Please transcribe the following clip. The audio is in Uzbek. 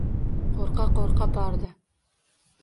Qo‘rqa-qo‘rqa bordi.